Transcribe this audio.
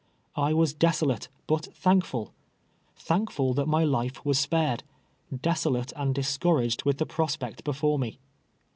I was desolate, but thaidci'ul. Tluinkful that my life was spared, — desolate and discouraged with the prospect before me.